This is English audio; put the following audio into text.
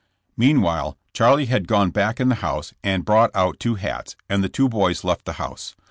Mean while Charlie had gone back in the house and brought out two hats, and the two boys left the house.